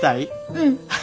うん。